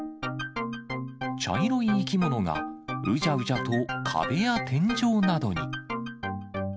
茶色い生き物がうじゃうじゃと壁や天井などに。